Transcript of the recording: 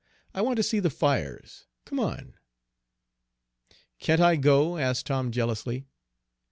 I want to see the fires. Come on." "Can't I go?" asked Tom jealously.